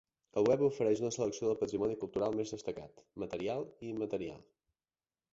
El web ofereix una selecció del patrimoni cultural més destacat, material i immaterial.